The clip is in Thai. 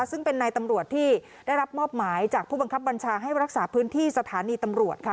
ซึ่งเป็นนายตำรวจที่ได้รับมอบหมายจากผู้บังคับบัญชาให้รักษาพื้นที่สถานีตำรวจค่ะ